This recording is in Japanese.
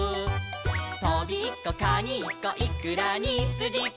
「トビッコカニッコイクラにスジコ」